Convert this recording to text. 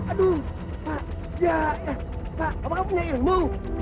aduh pak pak apakah punya ilmu